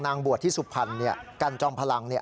นางบัวที่สุภัณฑ์เนี่ยกัฎจอมพลัง